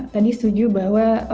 tadi setuju bahwa